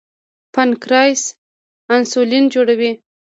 پانکریاس انسولین جوړوي.